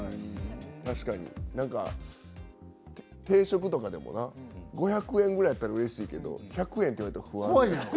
確かに定食とかでもな５００円ぐらいだったらうれしいけど１００円と言われると不安よね。